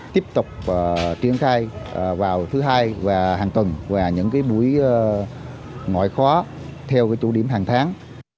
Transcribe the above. tiếp tục triển khai vào thứ hai và hàng tuần và những buổi ngoại khóa theo chủ điểm hàng tháng